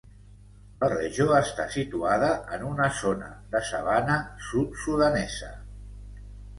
La regió està situada en una zona de sabana sud-sudanesa.